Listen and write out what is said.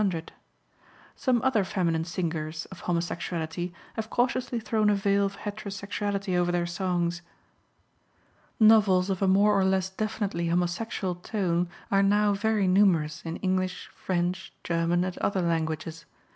Most other feminine singers of homosexuality have cautiously thrown a veil of heterosexuality over their songs. Novels of a more or less definitely homosexual tone are now very numerous in English, French, German, and other languages.